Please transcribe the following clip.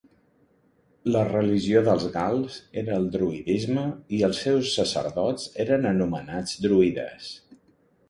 La religió dels gals era el druïdisme i els seus sacerdots eren anomenats druides.